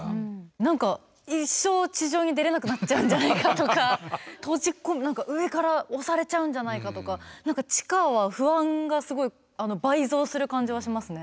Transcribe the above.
何か一生地上に出れなくなっちゃうんじゃないかとか上から押されちゃうんじゃないかとか何か地下は不安がすごい倍増する感じはしますね。